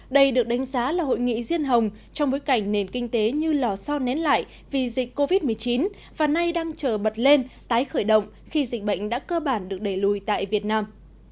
đây được đánh giá là hội nghị riêng hồng trong bối cảnh nền kinh tế như lò so nén lại vì dịch covid một mươi chín và nay đang chờ bật lên tái khởi động khi dịch bệnh đã cơ bản được đẩy lùi tại việt nam